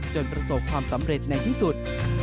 ประสบความสำเร็จในที่สุด